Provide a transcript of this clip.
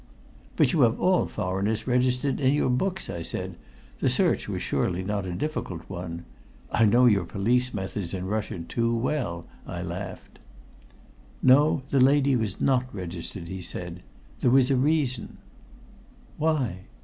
"But you have all foreigners registered in your books," I said. "The search was surely not a difficult one. I know your police methods in Russia too well," I laughed. "No, the lady was not registered," he said. "There was a reason." "Why?"